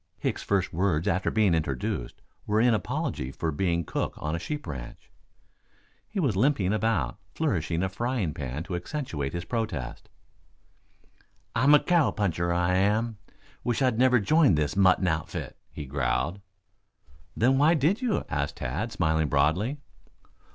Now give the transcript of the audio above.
Hicks's first words after being introduced were in apology for being cook on a sheep ranch. He was limping about, flourishing a frying pan to accentuate his protests. "I'm a cowpuncher, I am. Wish I'd never joined this mutton outfit," he growled. "Then why did you?" asked Tad, smiling broadly.